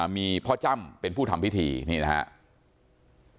มีพ่อจ้ำเป็นผู้ทำพิธีนี่นะครับ